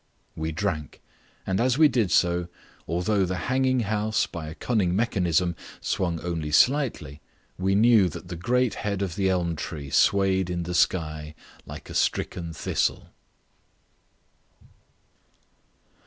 We drank, and as we did so, although the hanging house, by a cunning mechanism, swung only slightly, we knew that the great head of the elm tree swayed in the sky like a stricken thistle.